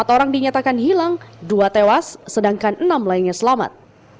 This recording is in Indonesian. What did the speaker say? empat orang dinyatakan hilang dua tewas sedangkan enam lainnya selamat